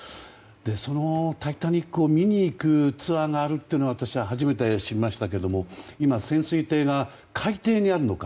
その「タイタニック」を見に行くツアーがあるっていうのは私は初めて知りましたけれども今、潜水艇が海底にあるのか。